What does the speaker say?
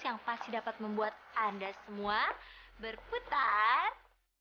yang pasti dapat membuat anda semua berputar